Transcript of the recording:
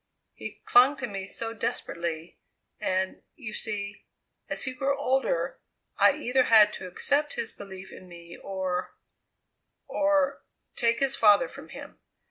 He clung to me so desparately, and, you see, as he grew older I either had to accept his belief in me or or take his father from him.